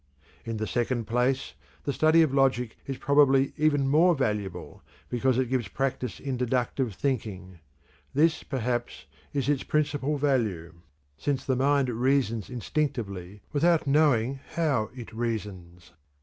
In the second place, the study of logic is probably even more valuable because it gives practice in deductive thinking. This, perhaps, is its principal value, since the mind reasons instinctively without knowing how it reasons.